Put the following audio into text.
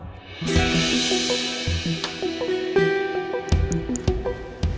ketemu dengan ibu sarah